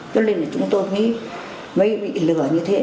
cho nên là chúng tôi nghĩ mấy bị lửa như thế